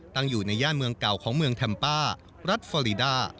ตั้งอยู่ในย่านเมืองเก่าของเมืองแทมป้ารัฐฟอรีดา